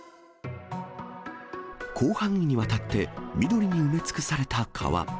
広範囲にわたって緑に埋め尽くされた川。